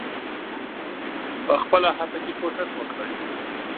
په خپله هڅه کې کوښښ وکړئ.